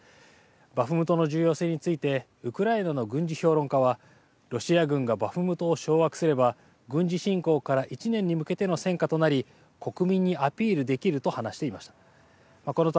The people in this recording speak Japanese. バフムトの重要性についてウクライナの軍事評論家はロシア軍がバフムトを掌握すれば軍事侵攻から１年に向けての戦果となり国民にアピールできると話していました。